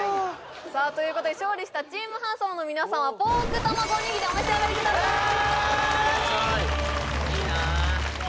さあということで勝利したチーム・ハンサム！の皆さんはポークたまごおにぎりお召し上がりくださいいいな